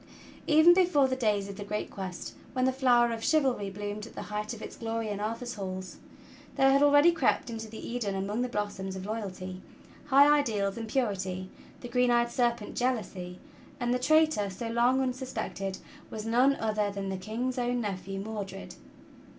'' VEN before the days of the great Quest, when the flower of chivalry bloomed at the height of its glory in Arthur's halls, there had already crept into that Eden among the blossoms of loyalty, high ideals and purity, the green eyed serpent Jealousy; and the traitor, so long unsuspected, was none other than the King's cwn nephew, Mordred.